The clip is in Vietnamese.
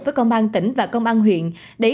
với công an tỉnh và công an huyện để